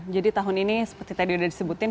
jadi tahun ini seperti tadi sudah disebutin